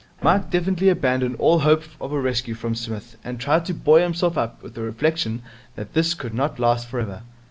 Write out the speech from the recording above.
Mike definitely abandoned all hope of a rescue from Psmith, and tried to buoy himself up with the reflection that this could not last for ever.